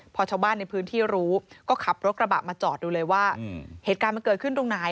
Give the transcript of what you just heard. พอชาวบ้านในพื้นที่รู้ก็ขับรถกระบะมาจอดดูเลยว่าเหตุการณ์มันเกิดขึ้นตรงไหน